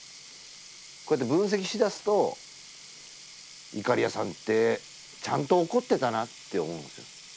こうやって分析しだすといかりやさんってちゃんと怒ってたなって思うんですよ。